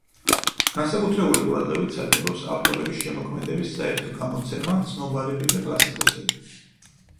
განსაკუთრებული ყურადღებით სარგებლობს ავტორების შემოქმედების საერთო გამოცემა, ცნობარები და კლასიკოსები.